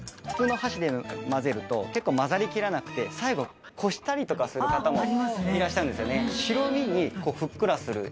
普通の箸で混ぜると結構混ざり切らなくて最後こしたりとかする方もいらっしゃるんですよね。